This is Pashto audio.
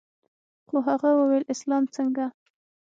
خو هغه وويل اسلام څنگه.